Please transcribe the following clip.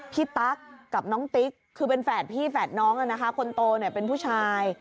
พี่ตั๊กกับน้องติ๊กคือเป็นแฝดพี่แฝดน้องคนโตเป็นผู้ชาย